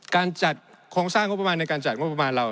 การจัดโครงสร้างงบประมาณในการจัดงบประมาณเรา